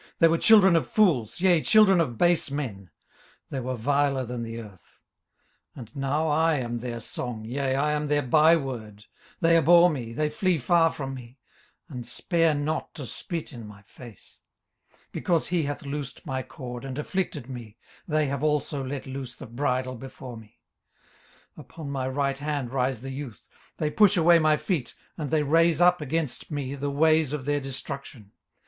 18:030:008 They were children of fools, yea, children of base men: they were viler than the earth. 18:030:009 And now am I their song, yea, I am their byword. 18:030:010 They abhor me, they flee far from me, and spare not to spit in my face. 18:030:011 Because he hath loosed my cord, and afflicted me, they have also let loose the bridle before me. 18:030:012 Upon my right hand rise the youth; they push away my feet, and they raise up against me the ways of their destruction.